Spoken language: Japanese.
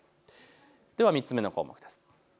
では３つ目の項目です。